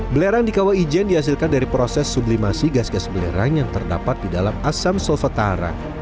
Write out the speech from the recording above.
belerang di kawah ijen dihasilkan dari proses sublimasi gas gas belerang yang terdapat di dalam asam sofatara